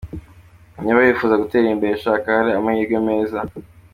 Niba wifuza gutera imbere, shaka ahari amahirwe meza.